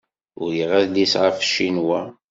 Uriɣ adlis ɣef Ccinwa.